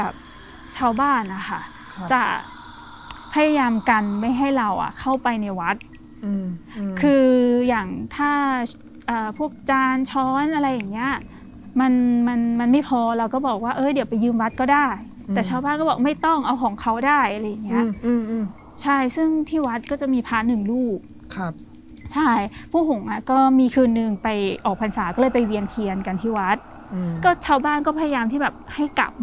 เข้าไปในวัดอืมคืออย่างถ้าอ่าพวกจานช้อนอะไรอย่างเงี้ยมันมันมันไม่พอเราก็บอกว่าเออเดี๋ยวไปยืมวัดก็ได้อืมแต่ชาวบ้านก็บอกไม่ต้องเอาของเขาได้อะไรอย่างเงี้ยอืมอืมใช่ซึ่งที่วัดก็จะมีพระหนึ่งลูกครับใช่พวกผมอะก็มีคืนหนึ่งไปออกพรรษาก็เลยไปเวียนเทียนกันที่วัดอืมก็ชาวบ้านก็พยายามที่แบบให้ก